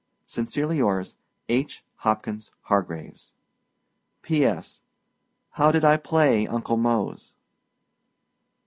Sincerely yours, H. HOPKINS HARGRAVES. P.S. How did I play Uncle Mose?